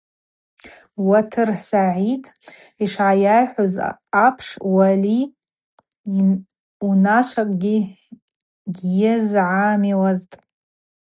Уатар Сагӏид йшгӏайайхӏвыз апш Уали унашвакӏгьи гьйызгӏамиуазтӏ.